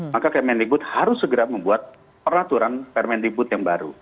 maka permen dikut harus segera membuat peraturan permen dikut yang baru